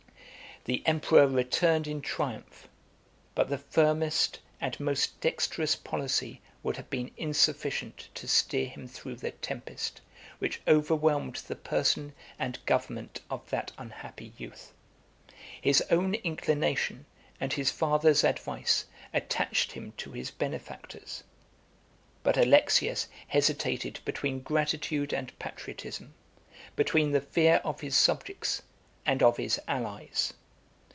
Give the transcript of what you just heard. The emperor returned in triumph; but the firmest and most dexterous policy would have been insufficient to steer him through the tempest, which overwhelmed the person and government of that unhappy youth. His own inclination, and his father's advice, attached him to his benefactors; but Alexius hesitated between gratitude and patriotism, between the fear of his subjects and of his allies.